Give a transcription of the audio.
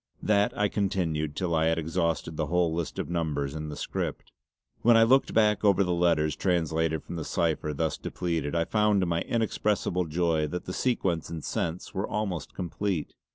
That I continued till I had exhausted the whole list of numbers in the script. When I looked back over the letters translated from the cipher thus depleted, I found to my inexpressible joy that the sequence and sense were almost complete.